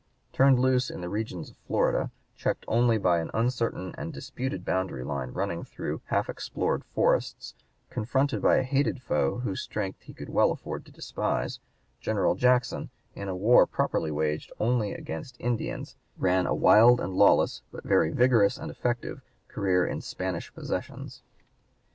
Turned loose (p. 159) in the regions of Florida, checked only by an uncertain and disputed boundary line running through half explored forests, confronted by a hated foe whose strength he could well afford to despise, General Jackson, in a war properly waged only against Indians, ran a wild and lawless, but very vigorous and effective, career in Spanish possessions.